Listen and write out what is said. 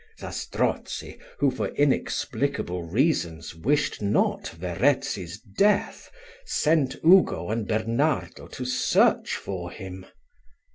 Zastrozzi, who, for inexplicable reasons, wished not Verezzi's death, sent Ugo and Bernardo to search for him.